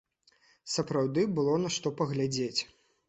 Сапраўды было на што паглядзець.